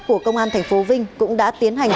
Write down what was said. của công an tp vinh cũng đã tiến hành